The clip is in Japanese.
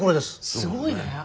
すごいね。